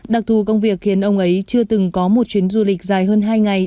đặc thù công việc khiến ông ấy chưa từng có một chuyến du lịch dài hơn hai ngày